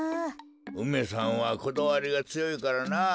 梅さんはこだわりがつよいからなあ。